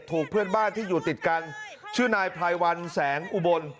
ถูกเพื่อนบ้านที่อยู่ติดกันชื่อนายไพรวันแสงอุบล